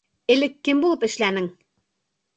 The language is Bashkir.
Элек кем булып эшләнең?